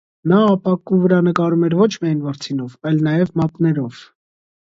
Նա ապակու վրա նկարում էր ոչ միայն վրձինով, այլ նաև մատներով։